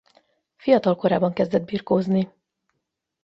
Fiatal korában kezdett birkózni.